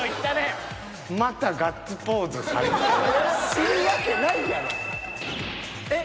するわけないやろ。